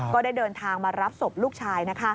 ก็ได้เดินทางมารับศพลูกชาย